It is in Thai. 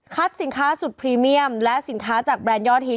สินค้าสุดพรีเมียมและสินค้าจากแบรนดยอดฮิต